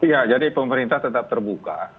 ya jadi pemerintah tetap terbuka